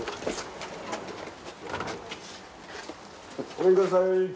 ごめんください。